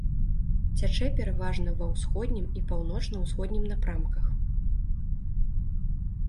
Цячэ пераважна ва ўсходнім і паўночна-ўсходнім напрамках.